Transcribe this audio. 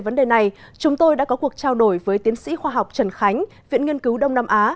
vấn đề này chúng tôi đã có cuộc trao đổi với tiến sĩ khoa học trần khánh viện nghiên cứu đông nam á